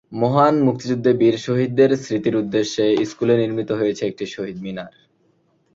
মহান মুক্তিযুদ্ধে বীর শহীদদের স্মৃতির উদ্দেশ্যে স্কুলে নির্মিত হয়েছে একটি শহীদ মিনার।